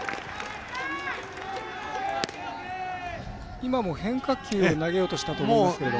今も変化球を投げようとしたと思うんですけど。